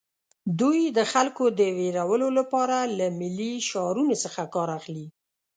دوی د خلکو د ویرولو لپاره له ملي شعارونو څخه کار اخلي